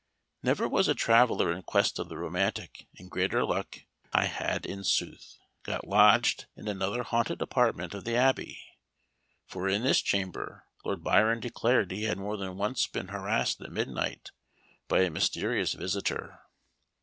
Never was a traveller in quest of the romantic in greater luck. I had in sooth, got lodged in another haunted apartment of the Abbey; for in this chamber Lord Byron declared he had more than once been harassed at midnight by a mysterious visitor.